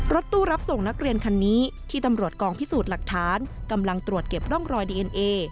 รถตู้รับส่งนักเรียนคันนี้ที่ตำรวจกองพิสูจน์หลักฐานกำลังตรวจเก็บร่องรอยดีเอ็นเอ